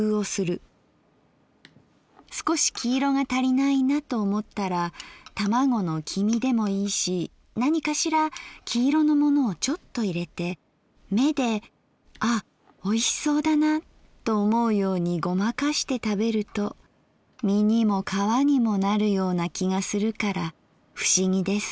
すこし黄色が足りないなと思ったら卵の黄身でもいいし何かしら黄色のものをちょっと入れて目で「あっおいしそうだな」と思うようにごまかして食べると身にも皮にもなるような気がするから不思議です」。